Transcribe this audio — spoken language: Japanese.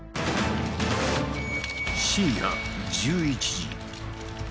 深夜１１時。